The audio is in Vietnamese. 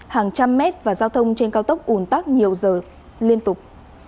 hàng trăm mét và giao thông trên cao tốc ủn tắc nhiều giờ liên tục